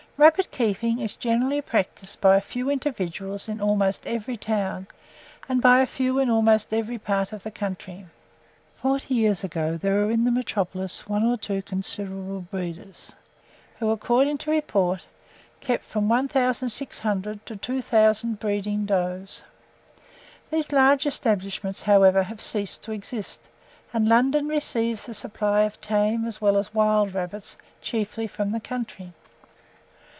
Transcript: Rabbit keeping is generally practised by a few individuals in almost every town, and by a few in almost every part of the country. Forty years ago, there were in the metropolis one or two considerable feeders, who, according to report, kept from 1,600 to 2,000 breeding does. These large establishments, however, have ceased to exist, and London receives the supply of tame as well as wild rabbits chiefly from the country.